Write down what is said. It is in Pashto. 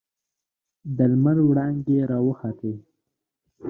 د لمر وړانګې راوخوتې.